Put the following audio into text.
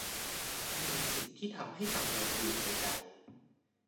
มีสิ่งที่ทำให้กังวลอยู่ในใจ